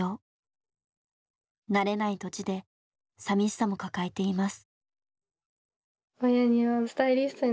慣れない土地でさみしさも抱えています。